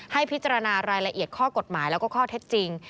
ให้พิจารณารายละเอียดข้อกฎหมายแล้วก็ข้อเท็จจริง